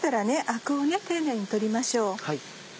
アクを丁寧に取りましょう。